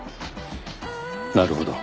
なるほど。